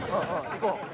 行こう。